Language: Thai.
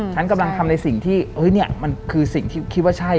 ฉันกำลังทำในสิ่งที่มันคือสิ่งที่คิดว่าใช่